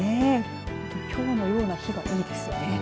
きょうのような日が多いですね。